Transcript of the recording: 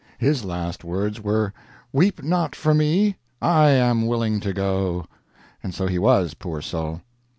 His last words were: "Weep not for me I am willing to go." And so he was, poor soul.